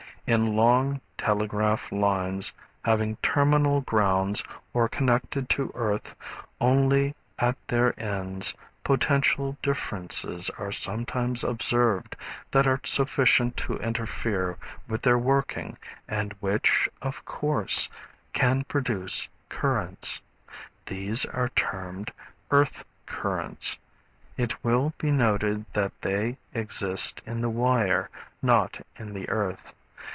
In long telegraph lines having terminal grounds or connected to earth only at their ends, potential differences are sometimes observed that are sufficient to interfere with their working and which, of course, can produce currents. These are termed earth currents. It will be noted that they exist in the wire, not in the earth.